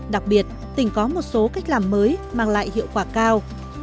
đặc biệt tỉnh có một số cách làm mới mang lại hiệu quả cao